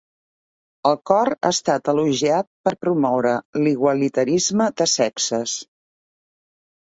El cor ha estat elogiat per promoure l'igualitarisme de sexes.